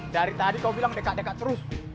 dari tadi kau bilang deket deket terus